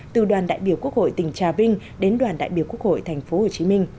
từ đoàn đại biểu quốc hội tỉnh trà vinh đến đoàn đại biểu quốc hội tp hcm